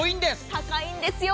高いんですよ。